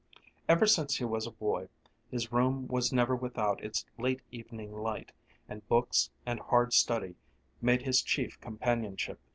Ever since he was a boy his room was never without its late evening light, and books and hard study made his chief companionship.